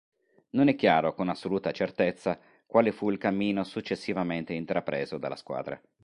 Non è chiaro, con assoluta certezza, quale fu il cammino successivamente intrapreso dalla squadra.